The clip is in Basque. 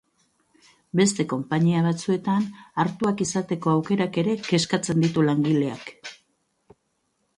Beste konpainia batzuetan hartuak izateko aukerak ere kezkatzen ditu langileak.